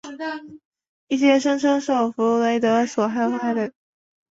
一些声称受弗雷德曼所害的家庭曾写信给委员会抗议此次提名。